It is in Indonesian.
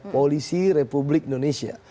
polisi republik indonesia